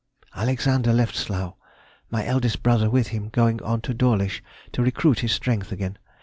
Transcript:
_—Alexander left Slough, my eldest brother with him, going on to Dawlish to recruit his strength again.